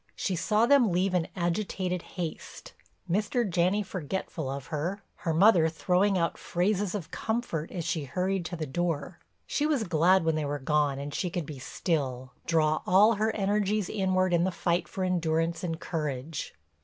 She saw them leave in agitated haste, Mr. Janney forgetful of her, her mother throwing out phrases of comfort as she hurried to the door. She was glad when they were gone and she could be still, draw all her energies inward in the fight for endurance and courage.